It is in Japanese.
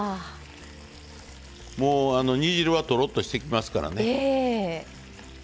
もう煮汁はとろっとしてきますからね。